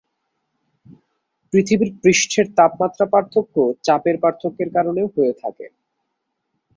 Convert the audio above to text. পৃথিবীর পৃষ্ঠের তাপমাত্রা পার্থক্য চাপের পার্থক্য এর কারণেও হয়ে থাকে।